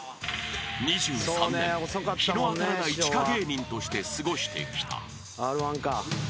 ２３年日の当たらない地下芸人として過ごしてきた］